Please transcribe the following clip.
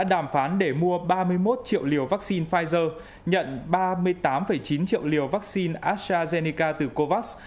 đàm phán để mua ba mươi một triệu liều vaccine pfizer nhận ba mươi tám chín triệu liều vaccine astrazeneca từ covax